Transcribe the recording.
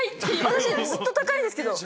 私ずっと高いですけど。